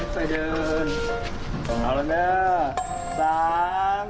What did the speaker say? ๓๒๑สเตอร์พร้ายเซอร์พร้าย